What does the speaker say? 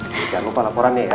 jangan lupa laporannya ya